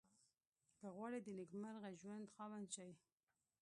که غواړئ د نېکمرغه ژوند خاوند شئ.